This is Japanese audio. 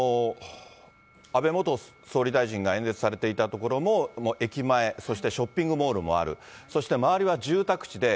安倍元総理大臣が演説されていたところも駅前、そしてショッピングモールもある、そして周りは住宅地で、